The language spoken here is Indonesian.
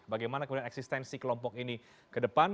bagaimana kemudian eksistensi kelompok ini ke depan